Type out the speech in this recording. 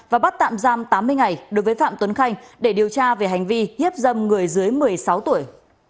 và bắt tạm giam tám mươi ngày đối với phạm tuấn khanh để điều tra về hành vi hiếp dâm người dưới một mươi sáu tuổi